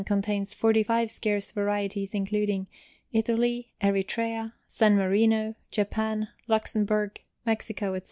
Contains 45 scarce varieties, including Italy, Eritrea, San Marino, Japan, Luxemburg, Mexico, etc.